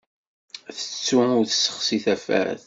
Tettu ur tessexsi tafat.